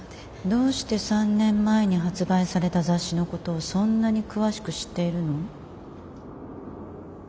どうして３年前に発売された雑誌のことをそんなに詳しく知っているの？